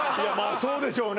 そうでしょうね